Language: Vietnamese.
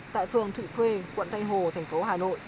tại phường thụy khuê quận tây hồ thành phố hà nội